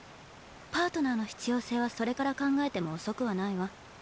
パートナーの必要性はそれから考えても遅くはないわ。